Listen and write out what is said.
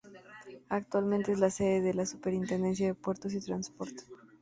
Actualmente es la sede de la Superintendencia de Puertos y Transporte.